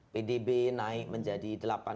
pdb naik menjadi delapan sembilan puluh enam